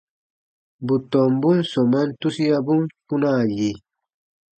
Bù tɔmbun sɔmaan tusiabun kpunaa yi.